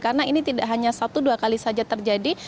karena ini tidak hanya satu dua kali saja terjadi